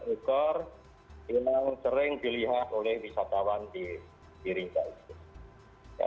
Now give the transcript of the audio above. lima belas ekor yang sering dilihat oleh wisatawan di rinca itu